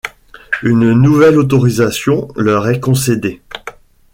Une nouvelle autorisation leur est concédée.